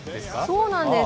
そうなんです。